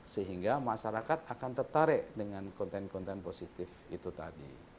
sehingga masyarakat akan tertarik dengan konten konten positif itu tadi